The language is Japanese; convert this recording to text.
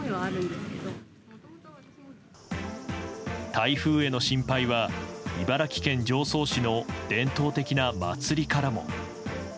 台風への心配は茨城県常総市の伝統的な祭りからも。